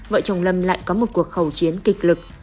vợ chồng lâm lại có một cuộc khẩu chiến kịch lực